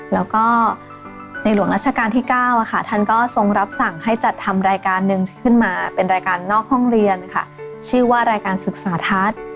แล้วก็ในหลวงราชการที่๙ท่านก็ทรงรับสั่งให้จัดทำรายการหนึ่งขึ้นมาเป็นรายการนอกห้องเรียนค่ะชื่อว่ารายการศึกษาทัศน์